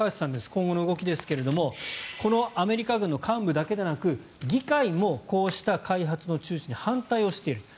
今後の動きですがこのアメリカ軍の幹部だけでなく議会もこうした開発の中止に反対をしていると。